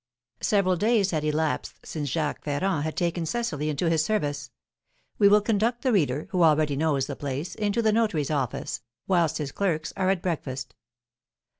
Several days had elapsed since Jacques Ferrand had taken Cecily into his service. We will conduct the reader (who already knows the place) into the notary's office, whilst his clerks are at breakfast.